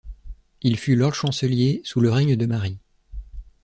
Il fut lord chancelier sous le règne de Marie.